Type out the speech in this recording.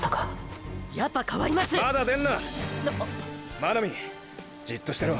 真波じっとしてろ。